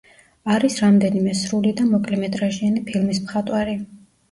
არის რამდენიმე სრული და მოკლემეტრაჟიანი ფილმის მხატვარი.